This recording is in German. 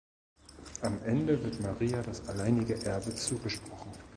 Am Ende wird Maria das alleinige Erbe zugesprochen.